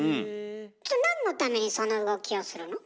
なんのためにその動きをするの？